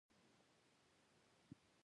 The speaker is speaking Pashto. وصي میراث پاتې کېږي.